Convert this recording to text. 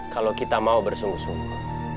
kalau kita mau bersungguh sungguh